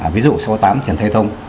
ví dụ sáu mươi tám trần thây thông